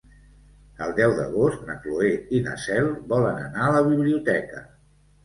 El deu d'agost na Cloè i na Cel volen anar a la biblioteca.